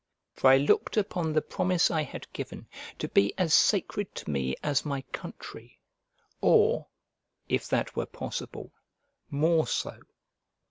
" for I looked upon the promise I had given to be as sacred to me as my country, or, if that were possible, more so.